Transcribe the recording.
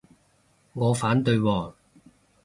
我反對喎